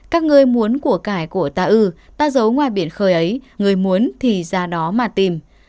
các ngơi muốn của cải của ta ư ta giấu ngoài biển khơi ấy người muốn thì ra đó mà tìm